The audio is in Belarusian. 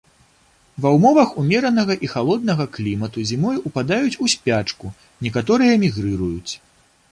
Ва ўмовах умеранага і халоднага клімату зімой упадаюць у спячку, некаторыя мігрыруюць.